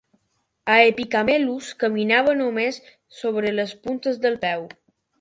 "Aepycamelus" caminava només sobre les puntes del peu.